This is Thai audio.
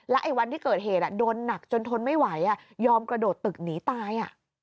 ไอ้วันที่เกิดเหตุโดนหนักจนทนไม่ไหวยอมกระโดดตึกหนีตาย